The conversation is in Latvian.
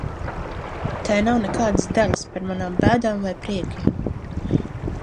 Tai nav nekādas daļas par manām bēdām vai priekiem.